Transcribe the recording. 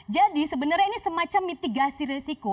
jadi sebenarnya ini semacam mitigasi resiko